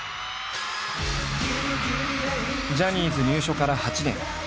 ジャニーズ入所から８年。